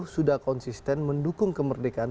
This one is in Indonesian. sudah konsisten mendukung kemerdekaan